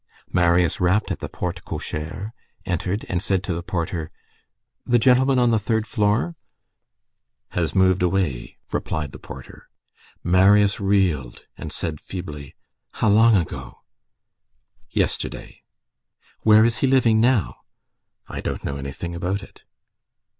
Marius rapped at the porte cochère, entered, and said to the porter:— "The gentleman on the third floor?" "Has moved away," replied the porter. Marius reeled and said feebly:— "How long ago?" "Yesterday." "Where is he living now?" "I don't know anything about it."